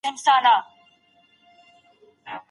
هوږه د مغذي موادو پراخه سرچینه ده.